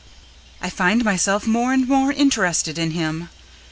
I find myself more and more interested in him.